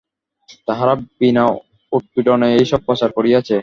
তাহারা বিনা উৎপীড়নে এইসব প্রচার করিয়াছে।